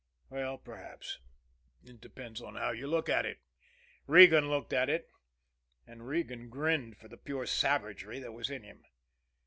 Well perhaps it depends on how you look at it. Regan looked at it and Regan grinned for the pure savagery that was in him.